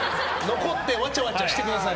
残ってわちゃわちゃしてください。